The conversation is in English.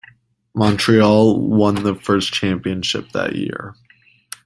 Montreal won the first championship that year.